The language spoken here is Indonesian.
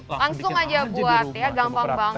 langsung aja buat ya